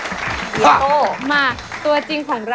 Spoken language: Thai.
เฮียโตมาตัวจริงของเรา